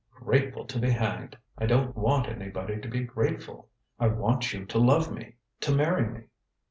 "Grateful be hanged! I don't want anybody to be grateful. I want you to love me to marry me.